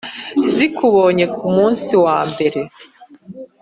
zikubonye ku munsi wa mbere